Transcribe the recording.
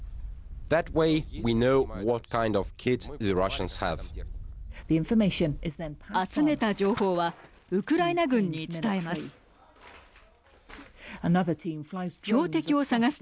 集めた情報はウクライナ軍に伝えます。